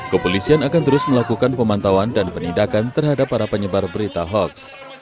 kepolisian akan terus melakukan pemantauan dan penindakan terhadap para penyebar berita hoax